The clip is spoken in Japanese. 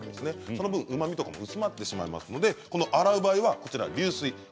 その分うまみも薄まってしまいますので洗う場合は流水です。